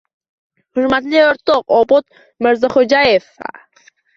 — Hurmatli o‘rtoq Obod Mirzaxo‘jaeva!